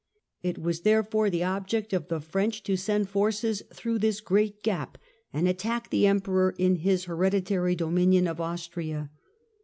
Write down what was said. It was, therefore, the object of the French to send forces through this great gap and attack the emperor in his hereditary dominion of Austria.